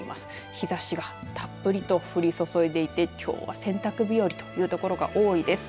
日ざしがたっぷりと降り注いでいてきょうは洗濯日和という所が多いです。